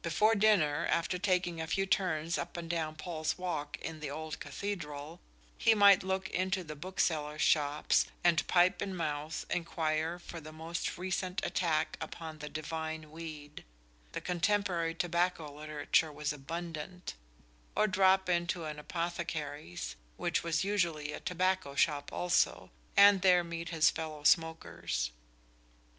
Before dinner, after taking a few turns up and down Paul's Walk in the old cathedral, he might look into the booksellers' shops, and, pipe in mouth, inquire for the most recent attack upon the "divine weed" the contemporary tobacco literature was abundant or drop into an apothecary's, which was usually a tobacco shop also, and there meet his fellow smokers.